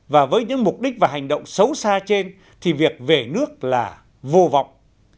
và với những mục đích và hành động xấu xa trên thì việc về nước là vô vọng